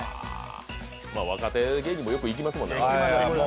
若手芸人もよく行きますもんね。